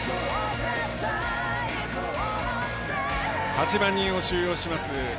８万人を収容します